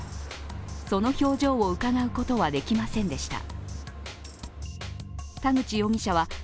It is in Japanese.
その表情をうかがうことはできませんでした。